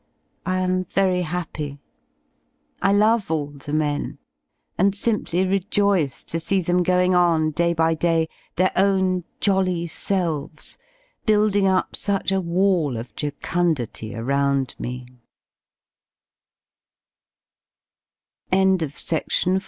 I am very happy. I love all the men, and simply rejoice to see them going on day by day their own jolly selves, building up such a v/all of jocundity around me, 76 PARTFIVE POEMS § God